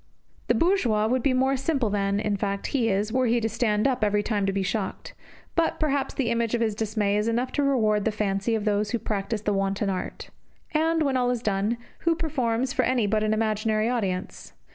The bourgeois would be more simple than, in fact, he is were he to stand up every time to be shocked; but, perhaps, the image of his dismay is enough to reward the fancy of those who practise the wanton art. And, when all is done, who performs for any but an imaginary audience?